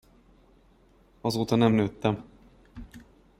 Azóta nem nőttem.